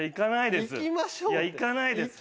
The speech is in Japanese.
行かないです。